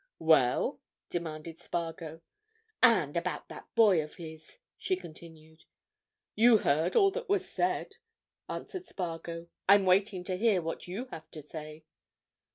"Well?" demanded Spargo. "And about that boy of his?" she continued. "You heard all that was said," answered Spargo. "I'm waiting to hear what you have to say."